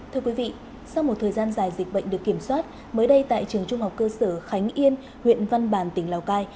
thưa quý vị sau một thời gian dài dịch bệnh được kiểm soát mới đây tại trường trung học cơ sở khánh yên huyện văn bàn tỉnh lào cai